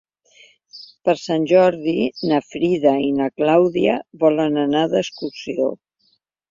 Per Sant Jordi na Frida i na Clàudia volen anar d'excursió.